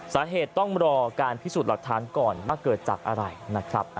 สาเหตุต้องรอการพิสูจน์หลักฐานก่อนว่าเกิดจากอะไรนะครับ